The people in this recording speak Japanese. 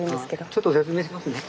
ちょっと説明しますね。